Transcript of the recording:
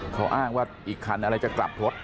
เขาอ้างว่าอีกคันอะไรจะกลับรถ